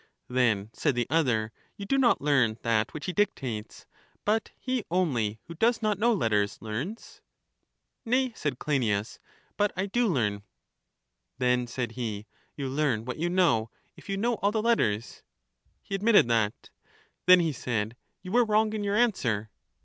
Then, said the other, you do not learn that which he dictates; but he only who does not know letters learns? Nay, said Cleinias; but I do learn. Then, said he, you learn what you know, if you know all the letters? He admitted that. Then, he said, you were wrong in your answer.